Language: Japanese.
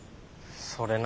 それな。